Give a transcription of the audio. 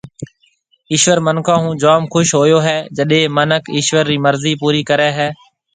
ايشوَر مِنکون هو جوم خُوش هوئي هيَ جڏي مِنک ايشوَر رِي مرضِي پورِي ڪريَ هيَ۔